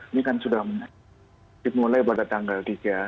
ini kan sudah dimulai pada tanggal tiga